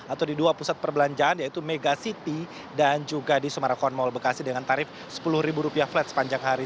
atau di dua pusat perbelanjaan yaitu mega city dan juga di sumarakon mall bekasi dengan tarif sepuluh rupiah flat sepanjang hari